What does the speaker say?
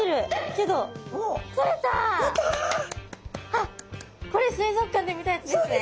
あっこれ水族館で見たやつですね。